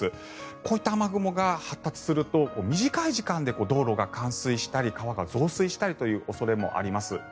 こういった雨雲が発達すると短い時間で道路が冠水したり川が増水したりする恐れもあります。